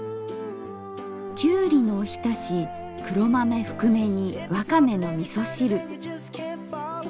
「きゅうりのおひたし」「黒豆ふくめ煮」「わかめのみそ汁」。